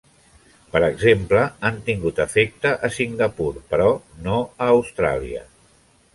Per exemple, han tingut efecte a Singapur, però no a Austràlia.